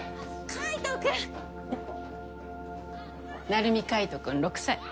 鳴海海斗君６歳。